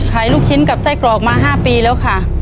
ลูกชิ้นกับไส้กรอกมา๕ปีแล้วค่ะ